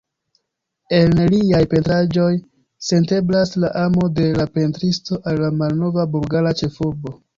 En liaj pentraĵoj senteblas la amo de la pentristo al la malnova bulgara ĉefurbo.